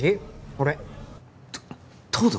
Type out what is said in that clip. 俺東堂？